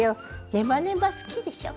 ネバネバ好きでしょう？